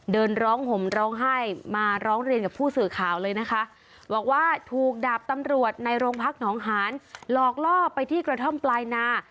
เดินร้องห่มร้องไห้มาร้องเรียนกับผู้สื่อข่าวเลยนะคะบอกว่าถูกดาบตำรวจในโรงพักหนองหานหลอกล่อไปที่กระท่อมปลายนา